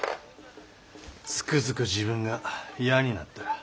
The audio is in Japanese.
つくづく自分が嫌になった。